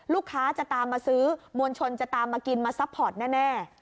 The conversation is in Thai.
ลูกค้าจะตามมาซื้อมวลชนจะตามมากินมาซัพพอร์ตแน่